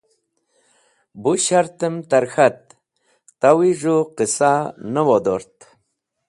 Bu shartem ta’r k̃hat, tawi z̃hũ qisa ne wodort.